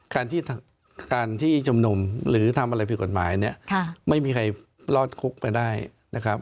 การที่การที่ชุมนุมหรือทำอะไรผิดกฎหมายเนี่ยไม่มีใครรอดคุกไปได้นะครับ